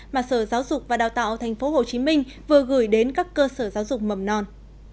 mà sở giáo dục và đào tạo tp hcm vừa gửi đến các cơ sở giáo dục mầm non